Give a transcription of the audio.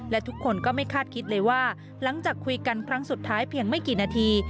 และทุกคนก็ไม่คาดคิดเลยว่าหลังจากคุยกันครั้งสุดท้ายเพียงไม่กี่นาที